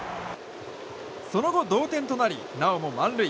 その後、同点となりなおも満塁。